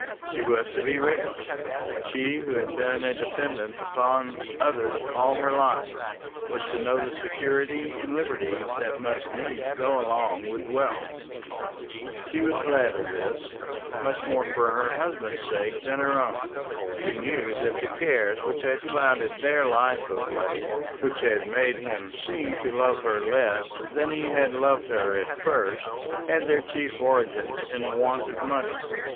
She was to be rich. She who had been a dependant upon others all her life was to know the security and liberty that must needs go along with wealth. She was glad of this, much more for her husband's sake than her own. She knew that the cares which had clouded their life of late, which had made him seem to love her less than he had loved her at first, had their chief origin in want of money.